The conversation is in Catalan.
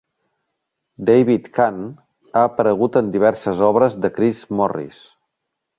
David Cann ha aparegut en diverses obres de Chris Morris.